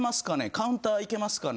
カウンターいけますかね？」